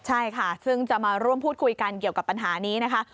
ใช่ค่ะซึ่งจะมาร่วมพูดคุยกันเกี่ยวกับปัญหานี้นะคะ